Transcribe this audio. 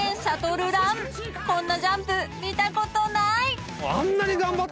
［こんなＪＵＭＰ見たことない！］